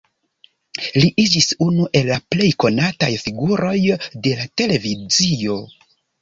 Li iĝis unu el la plej konataj figuroj de la televizio.